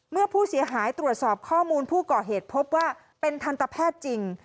เมื่อผู้เสียหายตรวจสอบข้อมูลผู้ก่อเหตุพบว่าเป็นทันตแพทย์จริง